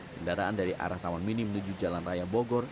kendaraan dari arah taman mini menuju jalan raya bogor